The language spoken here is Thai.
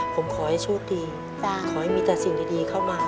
ผมขอให้โชคดีขอให้มีแต่สิ่งดีเข้ามา